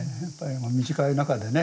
短い中でね